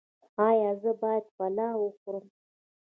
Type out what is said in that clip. ایا زه باید پلاو وخورم؟